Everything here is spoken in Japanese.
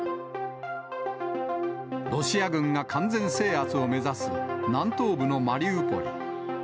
ロシア軍が完全制圧を目指す南東部のマリウポリ。